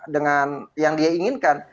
dengan yang dia inginkan